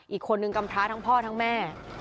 อีกคนนึงกำพร้าทั้งพ่อทั้งแม่